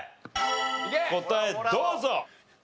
答えどうぞ。